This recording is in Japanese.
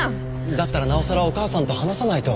だったらなおさらお母さんと話さないと。